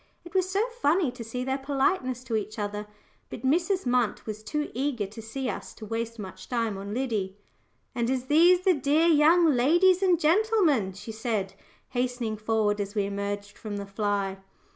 It was so funny to see their politeness to each other. But Mrs. Munt was too eager to see us to waste much time on Liddy. "And is these the dear young ladies and gentleman?" she said, hastening forward as we emerged from the fly.